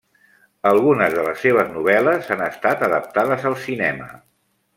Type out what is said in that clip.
Algunes de les seves novel·les han estat adaptades al cinema.